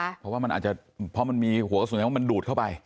เพราะว่ามันอาจจะเพราะมันมีหัวกระสุนว่ามันดูดเข้าไป